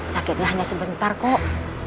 sakitnya hanya sebentar kok